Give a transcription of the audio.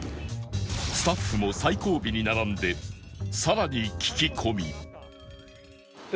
スタッフも最後尾に並んで更に聞き込み